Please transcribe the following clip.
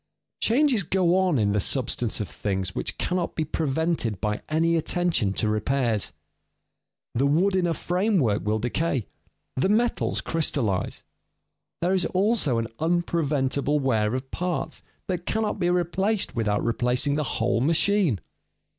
_ Changes go on in the substance of things which cannot be prevented by any attention to repairs. The wood in a framework will decay, the metals crystallize. There is also an unpreventable wear of parts that cannot be replaced without replacing the whole machine.